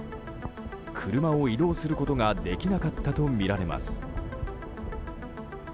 車を移動することができなかったとみられます。